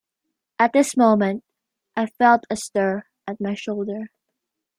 At this moment I felt a stir at my shoulder.